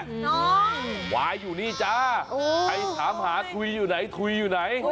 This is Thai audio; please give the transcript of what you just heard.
น้องวายอยู่นี่จ้าใครถามหาทุยอยู่ไหนถุยอยู่ไหน